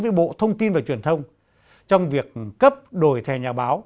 với bộ thông tin và truyền thông trong việc cấp đổi thẻ nhà báo